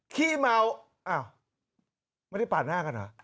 ขี้เมาอ้าวไม่ได้ปาดหน้ากันเหรอ